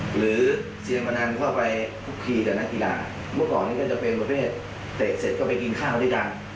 หรือเซียนพนันเข้าไปคุกคีกับนักกีฬาเมื่อก่อนนี้ก็จะเป็นประเภทเตะเสร็จก็ไปกินข้าวด้วยกัน